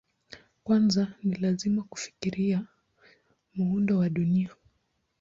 Kwanza ni lazima kufikiria muundo wa Dunia.